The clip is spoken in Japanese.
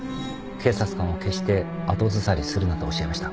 警察官は決して後ずさりするなと教えました。